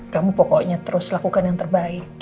kamu pokoknya terus lakukan yang terbaik